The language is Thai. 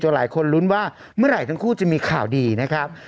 หลายคนลุ้นว่าเมื่อไหร่ทั้งคู่จะมีข่าวดีนะครับ